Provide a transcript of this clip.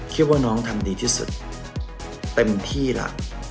ว่าน้องทำดีที่สุดเต็มที่ล่ะ